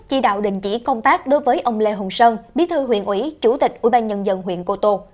chỉ đạo định chỉ công tác đối với ông lê hồng sơn bí thư huyện ủy chủ tịch ủy ban nhân dân huyện cô tô